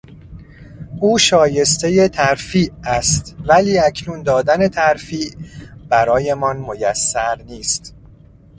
او شایستهی ترفیع استولی اکنون دادن ترفیع برایمان میسر نیست.